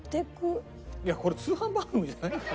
これ通販番組じゃない。